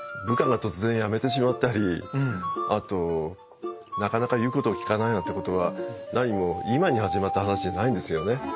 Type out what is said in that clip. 部下が突然辞めてしまったりあとなかなか言うことを聞かないなんてことはなにも今に始まった話じゃないんですよね。